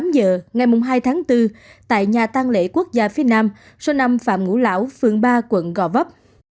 lúc tám h ngày hai tháng bốn tại nhà tang lễ quốc gia phía nam số năm phạm ngũ lão phường ba quận gò vấp